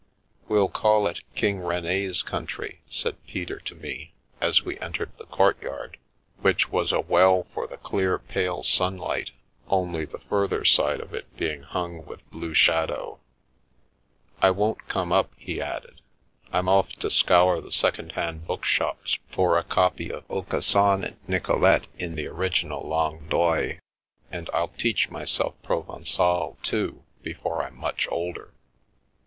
We'll call it ' King Rene's Country/ " said Peter to me, as we entered the courtyard, which was a well for The Milky Way the clear, pale sunlight, only the further side of it being hung with blue shadow. " I won't come up," he added, " I'm off to scour the second hand book shops for a copy of ' Aucassin and Nicolete ' in the original Langue d'Oil, and I'll teach myself Provencal, too, before I'm much older."